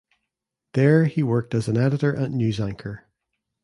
There he worked as an editor and news anchor.